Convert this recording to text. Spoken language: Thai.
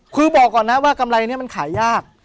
คือบอกก่อนนะว่ากำไรนี้มันขายยาก